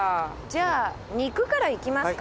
じゃあ肉からいきますか？